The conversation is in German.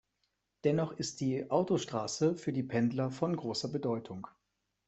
Dennoch ist die Autostrasse für die Pendler von grosser Bedeutung.